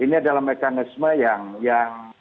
ini adalah mekanisme yang